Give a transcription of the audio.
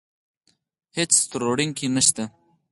هېڅ تروړونکی يې نشته.